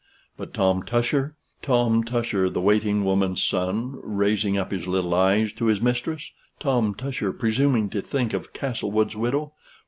But Tom Tusher! Tom Tusher, the waiting woman's son, raising up his little eyes to his mistress! Tom Tusher presuming to think of Castlewood's widow!